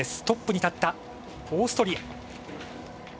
トップに立った、オーストリア。